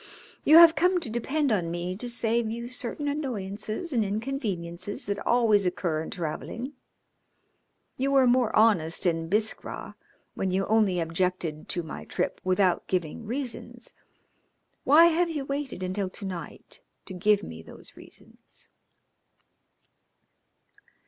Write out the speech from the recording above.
You have come to depend on me to save you certain annoyances and inconveniences that always occur in travelling. You were more honest in Biskra when you only objected to my trip without giving reasons. Why have you waited until to night to give me those reasons?"